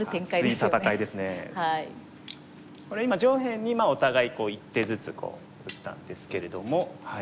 これ今上辺にお互い１手ずつ打ったんですけれども。